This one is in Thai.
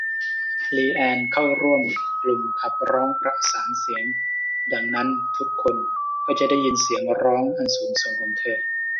ลีแอนน์ เข้าร่วมกลุ่มขับร้องประสานเสียง ดังนั้นทุกคนก็จะได้ยินเสียงร้องอันสูงส่งของเธอ